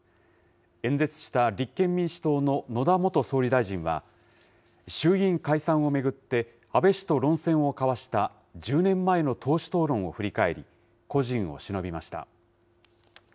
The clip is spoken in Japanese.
演説した立憲民主党の野田元総理大臣は、衆議院解散を巡って安倍氏と論戦を交わした１０年前の党首討論を振り返り、故人をしのびました。